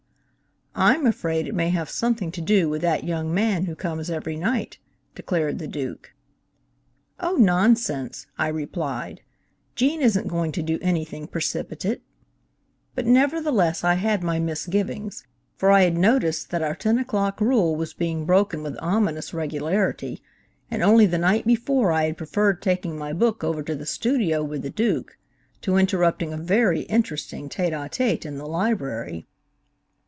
"I'm afraid it may have something to do with that young man who comes every night," declared the Duke. "Oh, nonsense," I replied, "Gene isn't going to do anything precipitate," but nevertheless I had my misgivings, for I had noticed that our ten o'clock rule was being broken with ominous regularity, and only the night before I had preferred taking my book over to the studio with the Duke, to interrupting a very interesting tête a tête in the library.